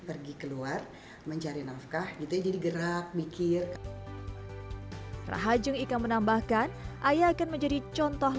pergi keluar mencari nafkah gitu ya jadi gerak mikir rahajung ika menambahkan ayah akan menjadi contoh